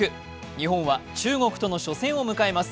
日本は中国との初戦を迎えます。